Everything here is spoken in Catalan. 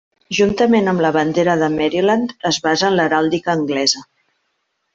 Juntament amb la bandera de Maryland, es basa en l'heràldica anglesa.